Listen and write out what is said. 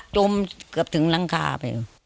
จมเกือบถึงหลังคาไป